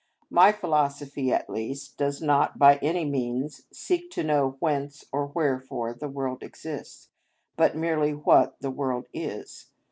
My philosophy, at least, does not by any means seek to know whence or wherefore the world exists, but merely what the world is.